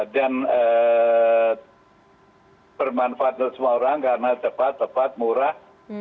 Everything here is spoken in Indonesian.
dan bermanfaat buat semua orang karena cepat cepat murah